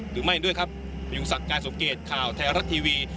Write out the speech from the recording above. หรือไม่ด้วยครับอยู่สักการสมเกตข่าวแทรนรัสทีวี